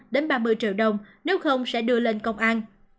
đến ba mươi triệu đồng nếu không sẽ đưa lên công an